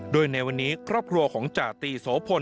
โดยในวันนี้ครอบครัวของจาตีโสพล